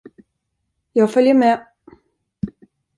Jag följer med.